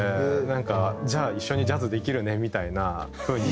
なんか「じゃあ一緒にジャズできるね」みたいな風に。